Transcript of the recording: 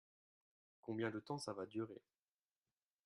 Combien de temps ça va durer .